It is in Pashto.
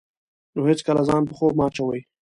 نو هېڅکله ځان په خوب مه اچوئ.